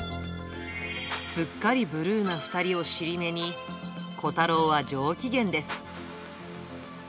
すっかりブルーな２人を尻目に、コタローは上機嫌です。